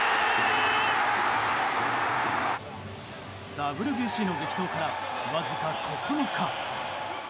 ＷＢＣの激闘からわずか９日。